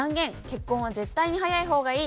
結婚は絶対に早い方がいい！」。